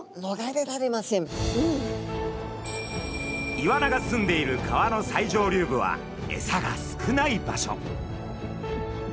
イワナがすんでいる川の最上流部はエサが少ない場所。